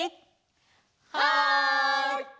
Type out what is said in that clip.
はい！